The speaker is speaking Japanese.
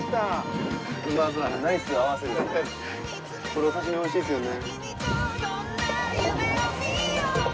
これお刺身おいしいっすよね！